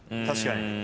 確かに。